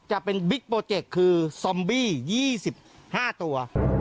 จะเป็นบิ๊กโปรเจกต์คือซอมบี้๒๕ตัว